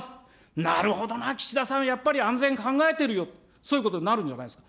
なるほどな、岸田さん、やっぱり安全考えてるよ、そういうことになるんじゃないですか。